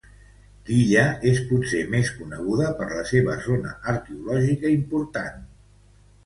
L'illa és potser més coneguda per la seua zona arqueològica important.